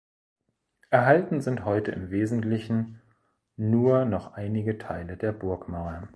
Erhalten sind heute im Wesentlichen nur noch einige Teile der Burgmauern.